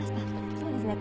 そうですね。